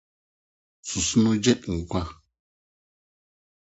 Susono Gye Nkwa!